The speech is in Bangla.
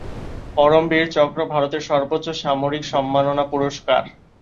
পরমবীর চক্র ভারতের সর্বোচ্চ সামরিক সম্মাননা পুরস্কার।